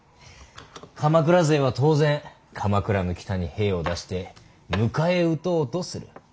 鎌倉勢は当然鎌倉の北に兵を出して迎え撃とうとする。